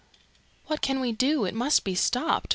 ] "What can we do? It must be stopped.